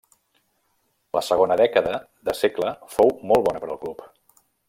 La segona dècada de segle fou molt bona per al club.